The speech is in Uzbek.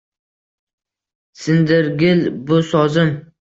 Sindirgil bu sozim